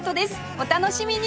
お楽しみに！